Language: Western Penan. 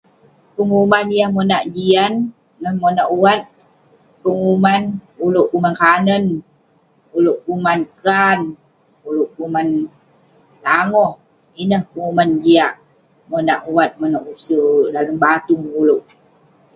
Penguman yah manouk jian ngan monak wat ; penguman ulouk kuman kanen, ulouk kuman kaan, ulouk kuman tangoh. Ineh penguman jiak, monak wat, monak use ulouk, dalem batung ulouk.